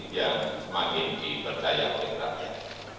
yang semakin dipercaya oleh rakyat